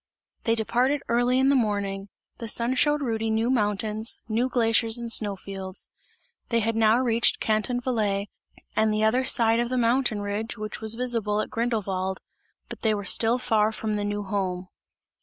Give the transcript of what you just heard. They departed early in the morning; the sun showed Rudy new mountains, new glaciers and snow fields; they had now reached Canton Valais and the other side of the mountain ridge which was visible at Grindelwald, but they were still far from the new home.